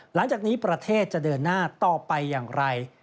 หลังจากนี้ประเทศจะเดินหน้าต่อไปอย่างไร